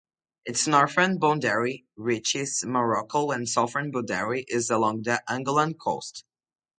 Its northern boundary reaches Morocco and southern boundary is along the Angolan coast.